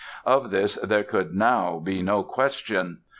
Of this there could now be no question.